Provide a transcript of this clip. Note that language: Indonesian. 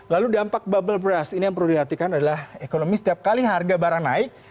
lalu dampak bubble beras ini yang perlu diperhatikan adalah ekonomi setiap kali harga barang naik